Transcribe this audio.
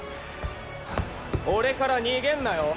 俺から逃げんなよ。